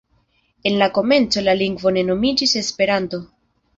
En la komenco la lingvo ne nomiĝis Esperanto.